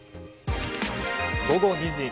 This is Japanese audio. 午後２時。